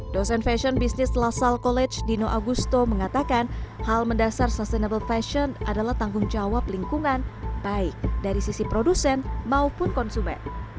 dosen fashion business lasal college dino agusto mengatakan hal mendasar sustainable fashion adalah tanggung jawab lingkungan baik dari sisi produsen maupun konsumen